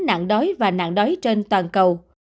nó sẽ dẫn đến nạn đối và nạn đối trên toàn cầu